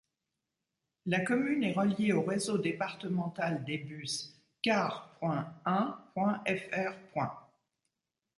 La commune est reliée au réseau départemental des bus car.ain.fr.